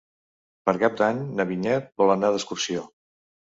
Per Cap d'Any na Vinyet vol anar d'excursió.